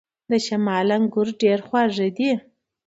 د شمالی انګور ډیر خوږ دي.